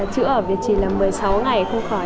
chữa ở việt trì là một mươi sáu ngày không khỏi